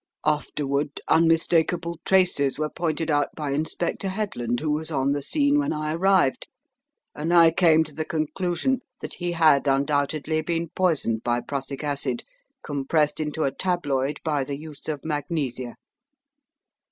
"Afterward, unmistakable traces were pointed out by Inspector Headland who was on the scene when I arrived, and I came to the conclusion that he had undoubtedly been poisoned by prussic acid compressed into a tabloid by the use of magnesia."